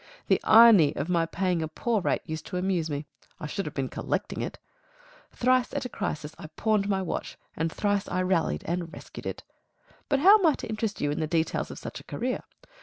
The irony of my paying a poor rate used to amuse me. I should have been collecting it. Thrice at a crisis I pawned my watch, and thrice I rallied and rescued it. But how am I to interest you in the details of such a career?